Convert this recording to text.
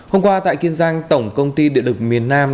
hôm qua tại kiên giang tổng công ty điện lực miền nam